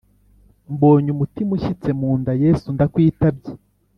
Mbonye umutima ushyitse munda yesu ndakwitabye